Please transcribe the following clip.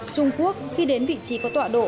trung quốc khi đến vị trí có tọa độ